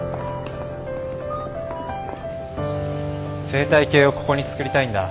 生態系をここに作りたいんだ。